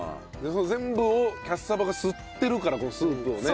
全部をキャッサバが吸ってるからこのスープをね。